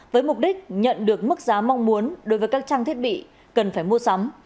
với mục đích nhận được mức giá mong muốn đối với các trang thiết bị cần phải mua sắm